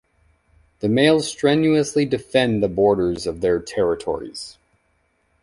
The males strenuously defend the borders of their territories.